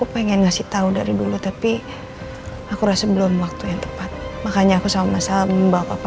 pengen cerita sesuatu soal papa